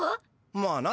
まあな。